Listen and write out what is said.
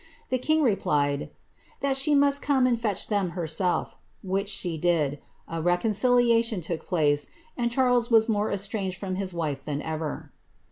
The king replied, ^ that she must come and fetch them herself," which she did ; a reconciliation took place, and Charles was more estranged from his wife than ever.